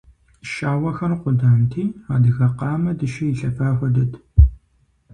Щауэхэр къуданти, адыгэ къамэ дыщэ илъэфа хуэдэт.